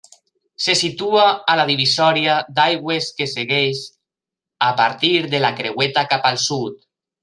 Se situa a la divisòria d'aigües que segueix a partir de la Creueta cap al sud.